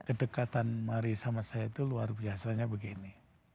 kedekatan mari sama saya itu luar biasanya begini